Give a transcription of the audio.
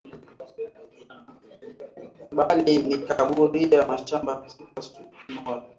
Bali nikaburia mashamba kipasu kimoya